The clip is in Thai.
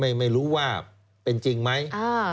แล้วก็ไม่รู้ว่าเป็นจริงไหม